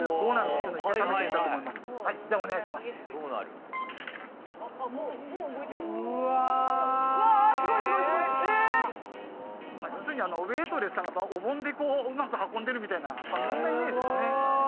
要するにウエイトレスさんがお盆でこううまく運んでるみたいなそんなイメージですねすー